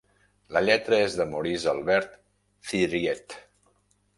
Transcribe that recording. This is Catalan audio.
La lletra és de Maurice Albert Thiriet.